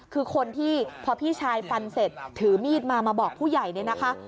คือคนที่พอพี่ชายฟันเสร็จถือมีดมามาบอกผู้ใหญ่เนี่ยนะคะ